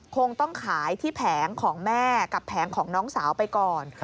คงต้องขายที่แผงของแม่กับแผงของน้องสาวไปก่อน